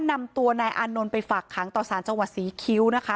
นำตัวนายอานนท์ไปฝากขังต่อสารจังหวัดศรีคิ้วนะคะ